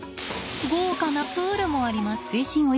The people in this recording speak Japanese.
豪華なプールもあります。